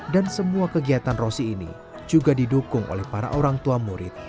dan semua kegiatan rosy ini juga didukung oleh para orang tua murid